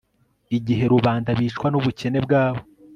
igihe rubanda bicwa n'ubukene bwabo